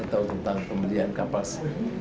kita tahu tentang pembelian kapas